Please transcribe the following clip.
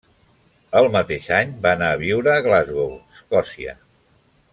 El mateix any va anar a viure a Glasgow, Escòcia.